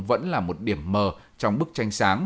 vẫn là một điểm mờ trong bức tranh sáng